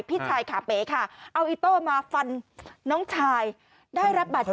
พี่ชายขาเป๋ค่ะเอาอิโต้มาฟันน้องชายได้รับบาดเจ็บ